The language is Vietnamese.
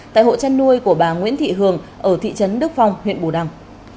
tại hộ chăn nuôi của bà nguyễn thị hường ở thị trấn đức phong huyện bù đăng